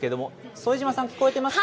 副島さん、聞こえてますか。